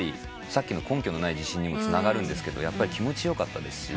さっきの根拠のない自信にもつながるんですけどやっぱり気持ちよかったですし。